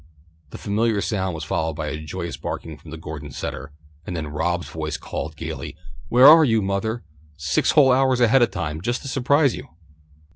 The familiar sound was followed by a joyous barking from the Gordon setter, and then Rob's voice called gaily, "Where are you, mother? Six whole hours ahead of time, just to surprise you!"